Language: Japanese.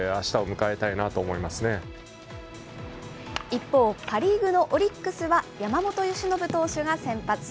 一方、パ・リーグのオリックスは、山本由伸投手が先発。